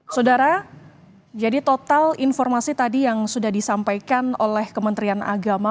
saudara jadi total informasi tadi yang sudah disampaikan oleh kementerian agama